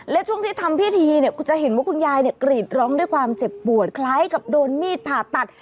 และช่วงที่ทำพิธีเนี่ยคุณจะเห็นว่าคุณยายกรีดร้องด้วยความเจ็บปวดคล้ายกับโดนมีดผ่าตัด